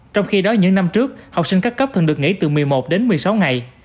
trong khi đó những năm trước học sinh các cấp thường được nghỉ từ một mươi một đến một mươi sáu ngày